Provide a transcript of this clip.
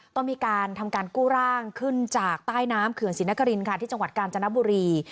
ต้องมีการทำการกู้ร่างขึ้นจากใต้น้ำเขื่อนศรีนครินค่ะที่จังหวัดกาญจนบุรี